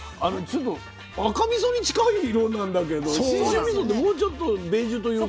ちょっと赤みそに近い色なんだけど信州みそってもうちょっとベージュというかね。